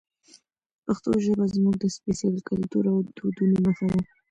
پښتو ژبه زموږ د سپېڅلي کلتور او دودونو نښه ده.